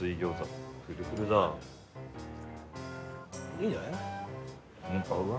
いいんじゃない？